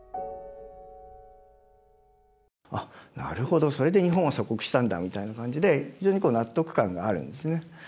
あっなるほどそれで日本は鎖国したんだみたいな感じで非常に納得感があるんですね。